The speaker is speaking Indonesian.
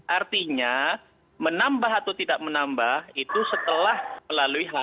artinya menambah atau tidak menambah itu setelah melalui